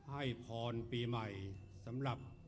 ให้พรปีใหม่สำหรับ